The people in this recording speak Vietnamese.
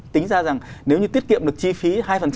tính ra rằng nếu như tiết kiệm được chi phí hai